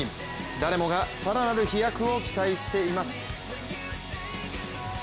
誰もが更なる飛躍を期待しています。